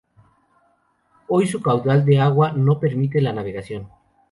Hoy su caudal de agua no permite la navegación.